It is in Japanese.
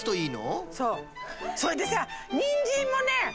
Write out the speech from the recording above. それでさにんじんもね